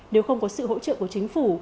nếu không có sự hỗ trợ của chính phủ